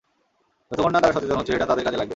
যতক্ষণ না তারা সচেতন হচ্ছে এটা তাদের কাজে লাগবে।